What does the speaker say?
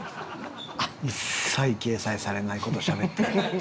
一切掲載されない事しゃべってる。